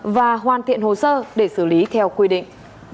và hoàn thiện hồ sơ để xử lý theo quy định